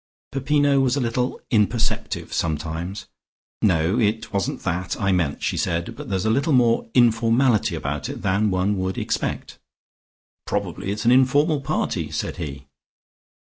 Peppino was a little imperceptive sometimes. "No, it wasn't that I meant," she said. "But there's a little more informality about it than one would expect." "Probably it's an informal party," said he.